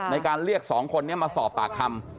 ในการเรียก๒คนนี้มาสอบปากคำ